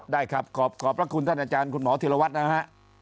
ได้ครับขอบพระคุณท่านอาจารย์คุณหมอธิรวัตรนะฮะ